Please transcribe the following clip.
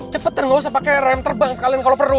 cepetan gak usah pake rem terbang sekalian kalo perlu